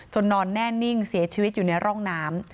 นอนแน่นิ่งเสียชีวิตอยู่ในร่องน้ำ